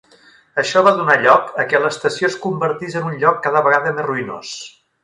Això va donar lloc a què l'estació es convertís en un lloc cada vegada més ruïnós.